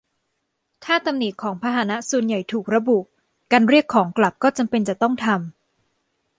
ถ้าตำหนิของพาหนะส่วนใหญ่ถูกระบุ การเรียกของกลับก็จำเป็นจะต้องทำ